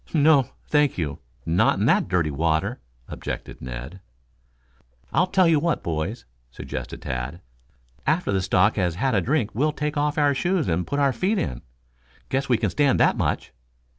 "No, thank you not in that dirty water," objected Ned. "I'll tell you what, boys," suggested Tad. "After the stock has had a drink we'll take off our shoes and put our feet in. Guess we can stand that much."